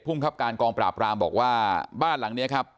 ภูมิครับการกองปราบรามบอกว่าบ้านหลังนี้ครับ